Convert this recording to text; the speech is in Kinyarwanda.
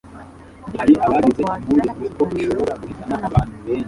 Birashoboka ko wagirana ikiganiro gito na .